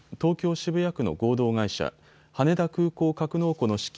渋谷区の合同会社、羽田空港格納庫の資金